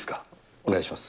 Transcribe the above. お願いします。